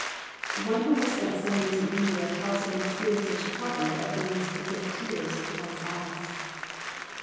One who had spent some years in India tells of an experience in Chicago that brings the quick tears to one's eyes.